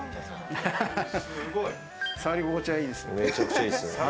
触り心地はいいです。